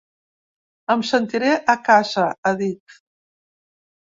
Em sentiré a casa, ha dit.